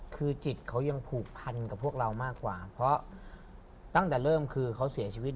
คือจิตเขายังผูกพันกับพวกเรามากกว่าเพราะตั้งแต่เริ่มคือเขาเสียชีวิต